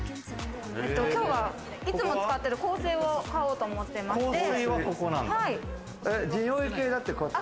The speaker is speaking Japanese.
今日は、いつも使ってる香水を買おうと思ってまして。